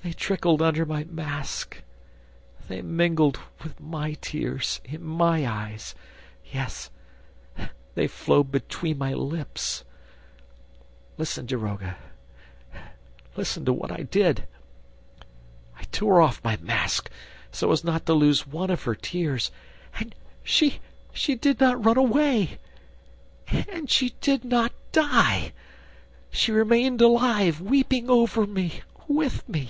... They trickled under my mask ... they mingled with my tears in my eyes ... yes ... they flowed between my lips ... Listen, daroga, listen to what I did ... I tore off my mask so as not to lose one of her tears ... and she did not run away! ... And she did not die! ... She remained alive, weeping over me, with me.